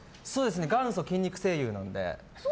元祖筋肉声優なので。